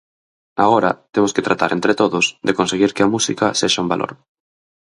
Agora temos que tratar entre todos de conseguir que a música sexa un valor.